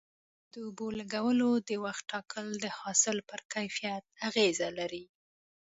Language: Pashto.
د اوبو لګولو د وخت ټاکل د حاصل پر کیفیت اغیزه لري.